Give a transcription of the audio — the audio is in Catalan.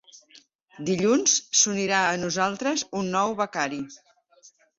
Dilluns s'unirà a nosaltres un nou becari.